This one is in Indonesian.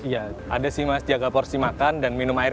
ya ada sih mas jaga porsi makan dan minum air